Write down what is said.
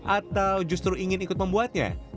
atau justru ingin ikut membuatnya